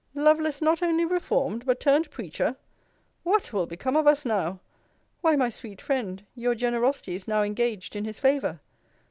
Lovelace not only reformed, but turned preacher! What will become of us now? Why, my sweet friend, your generosity is now engaged in his favour!